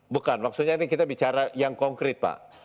bukan maksudnya ini kita bicara yang konkret pak